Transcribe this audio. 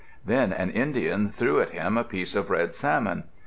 Then an Indian threw at him a piece of red salmon.